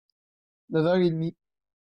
Neuf heures et demi.